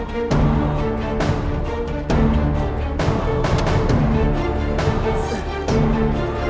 kalau gitu terima kasih ya